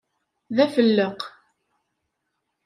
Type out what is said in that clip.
D afelleq.